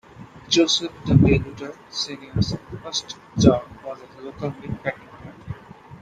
Joseph W. Luter, Sr.'s first job was at a local meat packing plant.